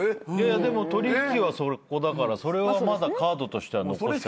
でも取引はそこだからそれはまだカードとしては残して。